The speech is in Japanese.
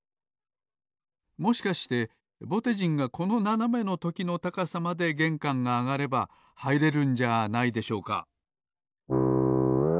もしかしてぼてじんがこのななめのときの高さまでげんかんがあがればはいれるんじゃないでしょうか？